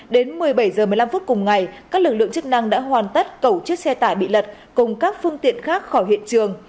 đến một mươi bảy h một mươi năm phút cùng ngày các lực lượng chức năng đã hoàn tất cẩu chiếc xe tải bị lật cùng các phương tiện khác khỏi hiện trường